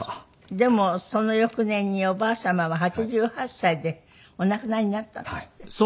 でもその翌年におばあ様は８８歳でお亡くなりになったんですって？。はい。